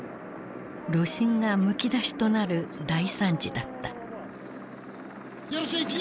炉心がむき出しとなる大惨事だった。